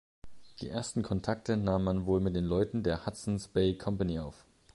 Die ersten Kontakte nahm man wohl mit den Leuten der Hudson’s Bay Company auf.